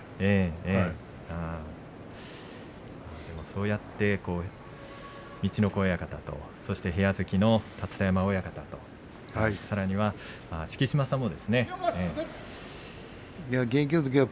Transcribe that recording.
そうやって陸奥親方とそして部屋付きの立田山親方とさらには敷島さんも。